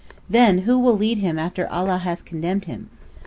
Then who will lead him after Allah (hath condemned him)?